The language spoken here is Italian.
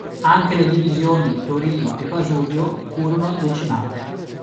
Anche le divisioni Torino e Pasubio furono decimate.